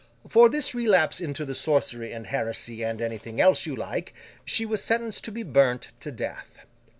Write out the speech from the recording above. For this relapse into the sorcery and heresy and anything else you like, she was sentenced to be burnt to death.